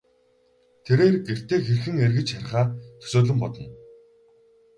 Тэрээр гэртээ хэрхэн эргэж харихаа төсөөлөн бодно.